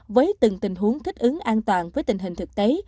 với từng tình huống thích ứng an toàn với tình hình thực tế